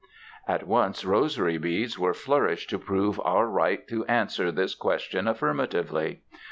At once rosary beads were flourished to prove our right to answer this question affirmatively.